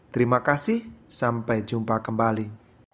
terima kasih sampai jumpa kembali